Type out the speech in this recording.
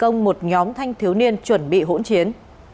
công an phường thanh khê đông một nhóm thanh thiếu niên chuẩn bị hỗn chiến